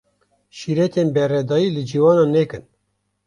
Şîretên beredayî li ciwanan nekin.